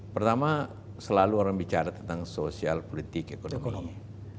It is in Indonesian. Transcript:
pertama selalu orang bicara tentang sosial politik ekonomi